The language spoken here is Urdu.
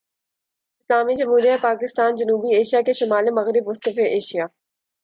اسلامی جمہوریہ پاکستان جنوبی ایشیا کے شمال مغرب وسطی ایشیا